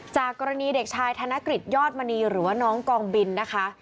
จากกรณีเด็กชายธนกฤษยอดมณีหรือว่าน้องกองบินนะคะ